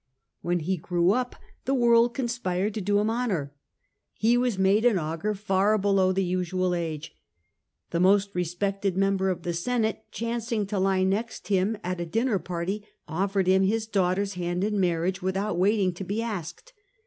'^ When he grew up, the world conspired to do him honour. He was made an augur far below the usual age. The most respected member of the Senate, chancing to lie next him at a dinner party, offered him his daughter's hand in marriage without waiting to be asked.